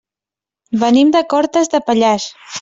Venim de Cortes de Pallars.